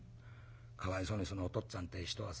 かわいそうにそのお父っつぁんってえ人はさ